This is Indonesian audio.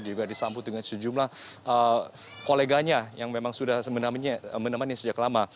juga disambut dengan sejumlah koleganya yang memang sudah menemani sejak lama